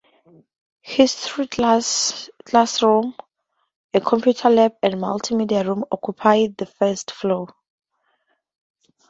History classrooms, a computer lab and a multi-media room occupy the first floor.